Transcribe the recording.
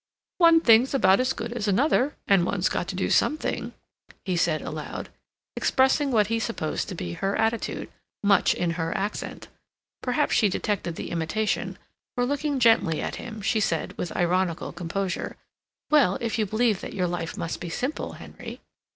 "One thing's about as good as another, and one's got to do something," he said aloud, expressing what he supposed to be her attitude, much in her accent. Perhaps she detected the imitation, for looking gently at him, she said, with ironical composure: "Well, if you believe that your life must be simple, Henry."